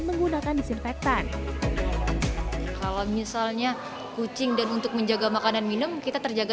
menggunakan disinfektan kalau misalnya kucing dan untuk menjaga makanan minum kita terjaga